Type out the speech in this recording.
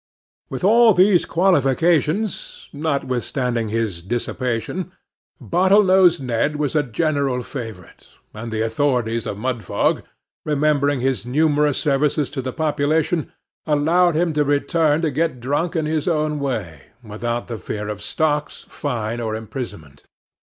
With all these qualifications, notwithstanding his dissipation, Bottle nosed Ned was a general favourite; and the authorities of Mudfog, remembering his numerous services to the population, allowed him in return to get drunk in his own way, without the fear of stocks, fine, or imprisonment.